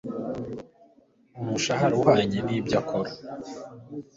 umushahara uhwanye nibyo akora